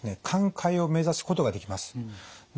寛解を目指すことができます。